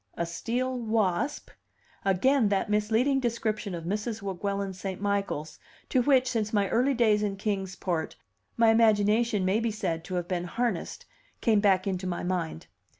A steel wasp? Again that misleading description of Mrs. Weguelin St. Michael's, to which, since my early days in Kings Port, my imagination may be said to have been harnessed, came back into my mind.